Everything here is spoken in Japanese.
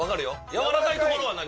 やわらかいところは何？